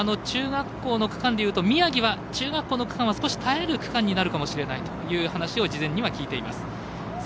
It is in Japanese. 中学校の区間で言うと宮城は、中学校の区間は少し耐える区間になるかもしれないという情報を事前には聞いてます。